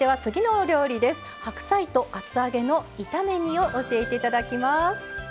白菜と厚揚げの炒め煮を教えて頂きます。